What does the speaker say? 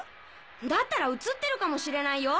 だったら映ってるかもしれないよ。